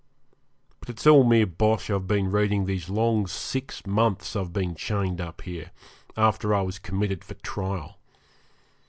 But it's all mere bosh I've been reading these long six months I've been chained up here after I was committed for trial.